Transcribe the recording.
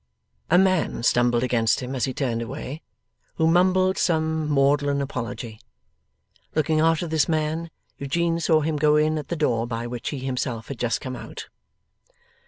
A man stumbled against him as he turned away, who mumbled some maudlin apology. Looking after this man, Eugene saw him go in at the door by which he himself had just come out.